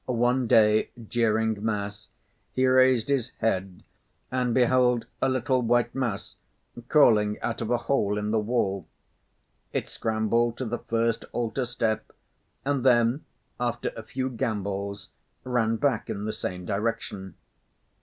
One day, during mass, he raised his head and beheld a little white mouse crawling out of a hole in the wall. It scrambled to the first altar step and then, after a few gambols, ran back in the same direction.